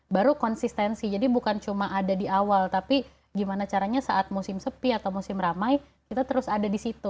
baru konsistensi jadi bukan cuma ada di awal tapi gimana caranya saat musim sepi atau musim ramai kita terus ada di situ